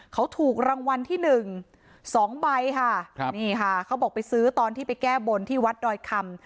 เขาถูกรางวัลที่หนึ่งสองใบค่ะครับนี่ค่ะเขาบอกไปซื้อตอนที่ไปแก้บนที่วัดดอยคำ